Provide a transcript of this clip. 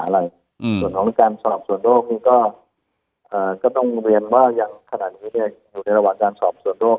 ส่วนของการสอบส่วนโรคนี้ก็ต้องเรียนว่ายังขนาดนี้อยู่ในระหว่างการสอบส่วนโรค